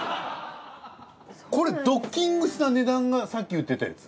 これドッキングした値段がさっき言ってたやつ？